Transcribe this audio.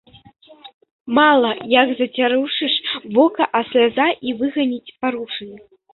Мала як зацярушыш вока, а сляза і выганіць парушыну.